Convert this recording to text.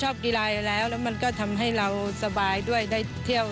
ก็บอกว่ามีรายได้เพิ่มขึ้นในช่วงนี้มากกว่าปกติครับ